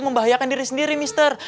membahayakan diri sendiri mister